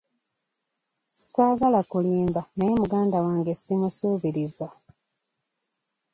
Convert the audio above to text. Ssaagala kulimba naye muganda wange simusuubiriza.